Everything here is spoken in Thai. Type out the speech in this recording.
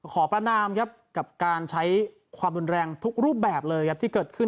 ขอประนามครับกับการใช้ความรุนแรงทุกรูปแบบเลยครับที่เกิดขึ้น